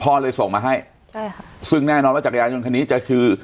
เลยส่งมาให้ใช่ค่ะซึ่งแน่นอนว่าจักรยานยนต์คันนี้จะคือ